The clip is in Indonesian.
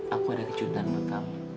aku ada kejutan sama kamu